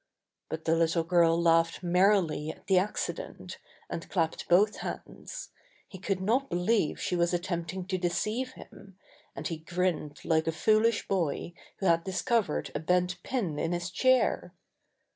But the little girl laughed merrily at the accident, and clapped both hands. He could not believe she was attempting to deceive him, and he grinned like a foolish boy who had dis covered a bent pin in his chair.